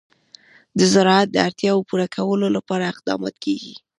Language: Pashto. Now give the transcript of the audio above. د زراعت د اړتیاوو پوره کولو لپاره اقدامات کېږي.